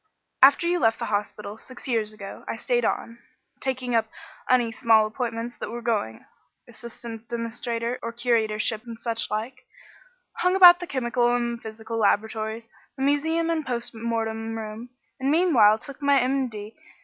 After you left the hospital, six years ago, I stayed on, taking up any small appointments that were going assistant demonstrator or curatorships and such like hung about the chemical and physical laboratories, the museum and post mortem room, and meanwhile took my M.D.